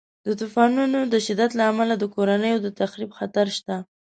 د طوفانونو د شدت له امله د کورنیو د تخریب خطر شته.